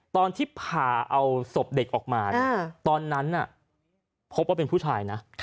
ตอนที่ผ่าเอาศพเด็กออกมาตอนนั้นพบว่าเป็นผู้ชายนะ